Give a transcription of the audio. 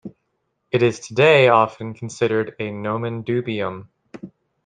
It is today often considered a "nomen dubium".